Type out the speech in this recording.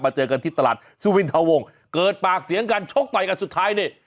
เจอกันที่ตลาดสุวินทะวงเกิดปากเสียงกันชกต่อยกันสุดท้ายนี่